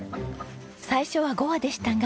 最初は５羽でしたが。